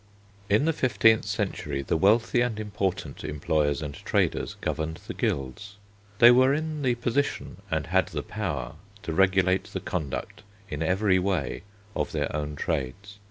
In the fifteenth century the wealthy and important employers and traders governed the guilds. They were in the position and had the power to regulate the conduct in every way of their own trades.